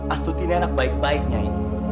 astuti ini anak baik baik nyai